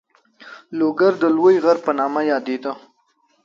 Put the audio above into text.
لوګر د لوی غر په نامه یادېده.